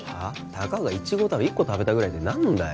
たかがイチゴだろ一個食べたぐらいで何だよ